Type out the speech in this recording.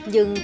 nhưng bởi vì